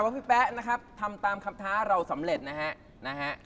พี่แป๊ะนะครับทำตามคำท้าเราสำเร็จนะฮะนะฮะ